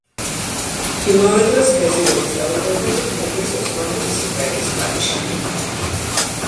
იმავე დღეს, ვეზირების დაუდევრობით, მოკლეს ოსმალეთის იმპერიის ფადიშაჰი.